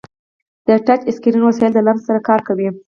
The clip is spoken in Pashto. د ټچ اسکرین وسایل د لمس سره کار کوي.